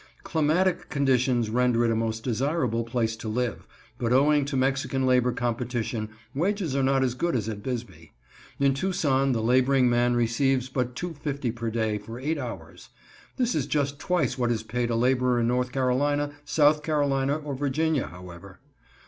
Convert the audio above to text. Climatic conditions render it a most desirable place to live, but owing to Mexican labor competition wages are not as good as at Bisbee. In Tucson the laboring man receives but $2.50 per day for eight hours. (This is just twice what is paid a laborer in North Carolina, South Carolina, or Virginia, however.)